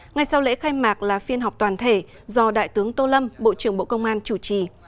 ngay sau lễ khai mạc là phiên họp toàn thể do đại tướng tô lâm bộ trưởng bộ công an chủ trì